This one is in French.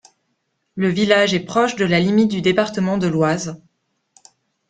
Le village est proche de la limite du département de l'Oise.